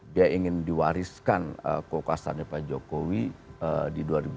dia ingin diwariskan kekuasaannya pak jokowi di dua ribu dua puluh